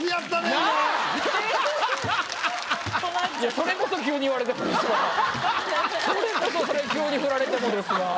それこそ急に振られてもですわ。